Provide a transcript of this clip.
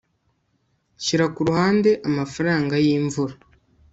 shyira ku ruhande amafaranga y'imvura